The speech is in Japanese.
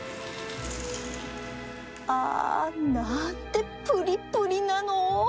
あ何てプリプリなの